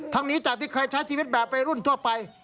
นี้จากที่เคยใช้ชีวิตแบบวัยรุ่นทั่วไป